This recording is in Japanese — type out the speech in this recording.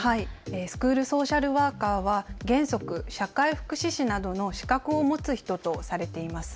スクールソーシャルワーカーは原則、社会福祉士などの資格を持つ人とされています。